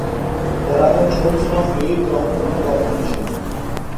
There are a total of eight rounds in the competition.